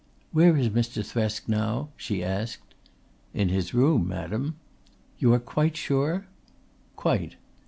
"Where is Mr. Thresk now?" she asked. "In his room, madam." "You are quite sure?" "Quite."